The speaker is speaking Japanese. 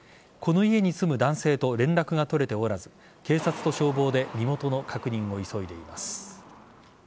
この家に住む男性と連絡が取れておらず警察と消防で身元の確認を急いでいます。